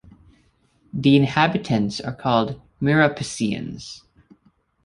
The inhabitants are called "Mirapiciens".